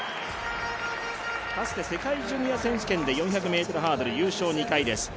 かつて世界ジュニア選手権で４００ｍハードル優勝２回です。